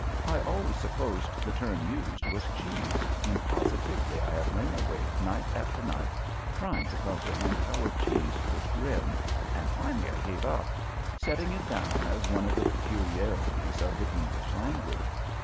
I always supposed the term used was cheese, and positively I have lain awake night after night trying to comprehend how a cheese could grin, and finally I gave it up, setting it down as one of the peculiarities of the English language.